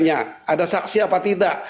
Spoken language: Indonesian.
ada saksi apa tidak